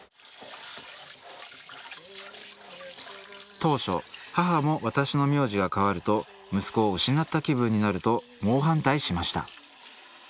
当初母も私の名字が変わると「息子を失った気分になる」と猛反対しました。